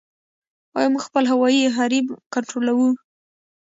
آیا موږ خپل هوایي حریم کنټرولوو؟